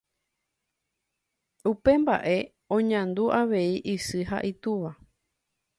Upe mba'e oñandu avei isy ha itúva.